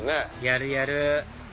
やるやる